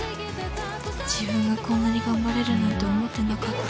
自分がこんなに頑張れるなんて思ってなかった。